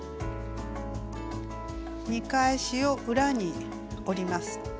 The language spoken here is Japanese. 見返しを裏に折ります。